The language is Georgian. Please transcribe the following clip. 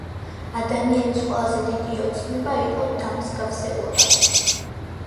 ადამიანის ყველაზე დიდი ოცნება იყო, დამსგავსებოდა